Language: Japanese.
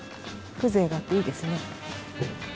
風情があっていいですね。